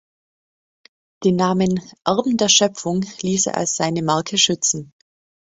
Den Namen „Erben der Schöpfung“ ließ er als seine Marke schützen.